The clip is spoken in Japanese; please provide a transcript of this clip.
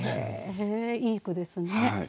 へえいい句ですね。